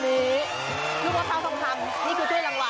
ลูกมะพร้าวทองคำนี่คือถ้วยรางวัล